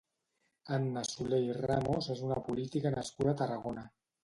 Anna Solé i Ramos és una política nascuda a Tarragona.